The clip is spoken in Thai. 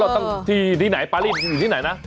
ตั้งที่ไหนปารีสอยู่ที่ไหนนะ